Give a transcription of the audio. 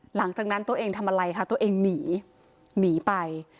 หลังจากนั้นตัวเองทำอะไรคะตัวเองหนีหนีไป